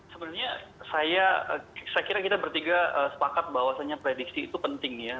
sebenarnya saya kira kita bertiga sepakat bahwasannya prediksi itu penting ya